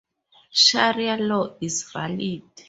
Sharia law is valid.